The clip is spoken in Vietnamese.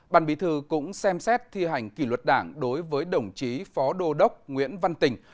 ban bí thư cũng xem xét thi hành kỷ luật đảng đối với đồng chí phó đô đốc nguyễn văn tình